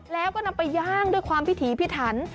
แล้วก็นำไปย่างด้วยความพิถีพิถัน